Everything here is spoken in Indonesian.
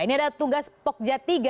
ini adalah tugas pokja tiga